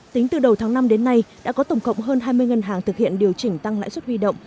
tính từ đầu tháng năm đến nay đã có tổng cộng hơn hai mươi ngân hàng thực hiện điều chỉnh tăng lãi suất huy động